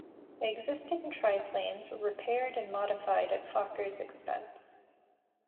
Existing triplanes were repaired and modified at Fokker's expense.